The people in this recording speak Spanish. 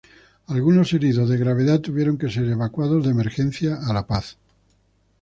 Algunos heridos de gravedad tuvieron que ser evacuados de emergencia a La Paz.